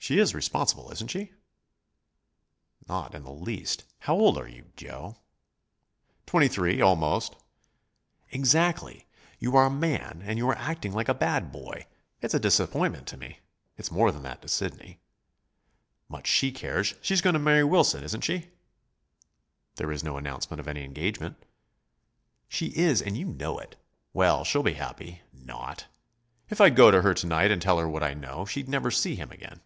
"She is responsible, isn't she?" "Not in the least. How old are you, Joe?" "Twenty three, almost." "Exactly. You are a man, and you are acting like a bad boy. It's a disappointment to me. It's more than that to Sidney." "Much she cares! She's going to marry Wilson, isn't she?" "There is no announcement of any engagement." "She is, and you know it. Well, she'll be happy not! If I'd go to her to night and tell her what I know, she'd never see him again."